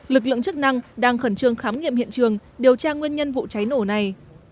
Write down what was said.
lực lượng chức năng đang khẩn trương khám nghiệm hiện trường điều tra nguyên nhân vụ cháy nổ này